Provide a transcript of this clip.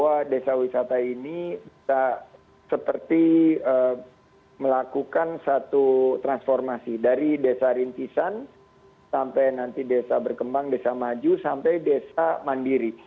dan kita harus memberikan bahwa desa wisata ini bisa seperti melakukan satu transformasi dari desa rinjisan sampai nanti desa berkembang desa maju sampai desa mandiri